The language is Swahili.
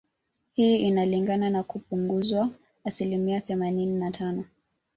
Hii inalingana na kupunguzwa asilimia themanini na tano